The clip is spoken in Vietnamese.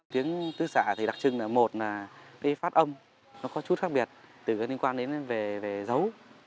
tiếng tứ xạ thì đặc trưng là một là cái phát âm nó có chút khác biệt từ liên quan đến về dấu